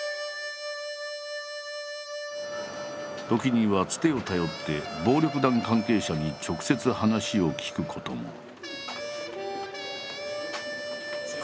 時にはつてを頼って暴力団関係者に直接話を聞くことも。